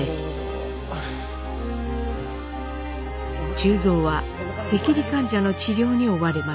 忠蔵は赤痢患者の治療に追われます。